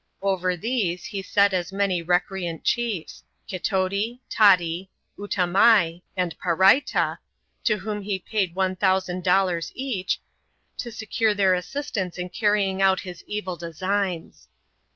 Over these he s^t as many recreant chiefe, Kitoti, Tati, Utamai, and Paraita ; to whom he paid <^1000 eaeh, to s^ure their assistance in carrying out his evil designs.